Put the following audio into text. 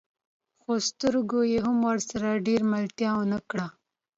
خو سترګو يې هم ورسره ډېره ملتيا ونه کړه.